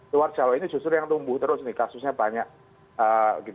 luar jawa ini justru yang tumbuh terus nih kasusnya banyak